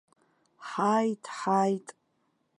Ҳааит, ҳааит!